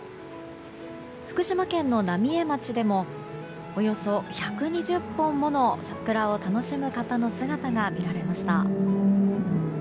福島県の浪江町でもおよそ１２０本もの桜を楽しむ方の姿が見られました。